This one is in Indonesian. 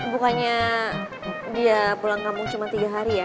bukannya dia pulang kampung cuma tiga hari ya